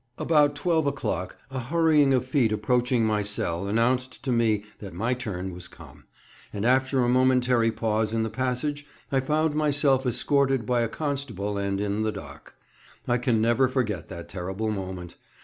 About 12 o'clock a hurrying of feet approaching my cell announced to me that my turn was come; and after a momentary pause in the passage I found myself escorted by a constable and in the dock. I can never forget that terrible moment.